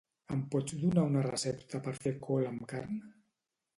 Em pots donar una recepta per fer col amb carn?